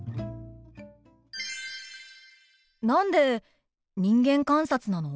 何で人間観察なの？